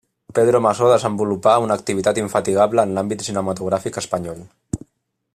Pedro Masó desenvolupà una activitat infatigable en l'àmbit cinematogràfic espanyol.